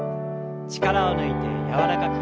力を抜いて柔らかく。